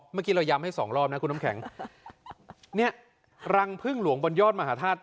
เมื่อกี้เราย้ำให้สองรอบนะคุณน้ำแข็งเนี่ยรังพึ่งหลวงบนยอดมหาธาตุ